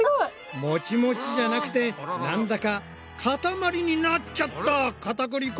モチモチじゃなくてなんだか塊になっちゃったかたくり粉。